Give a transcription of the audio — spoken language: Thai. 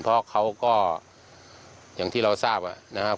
เพราะเขาก็อย่างที่เราทราบนะครับ